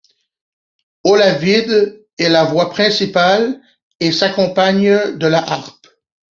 Olavide est la voix principale et s'accompagne de la harpe.